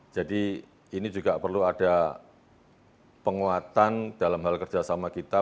jadi ini juga perlu ada penguatan dalam hal kerjasama kita